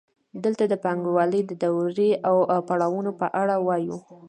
دلته د پانګوالۍ د دورو او پړاوونو په اړه وایو